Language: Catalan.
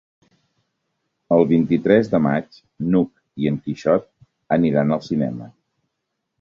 El vint-i-tres de maig n'Hug i en Quixot aniran al cinema.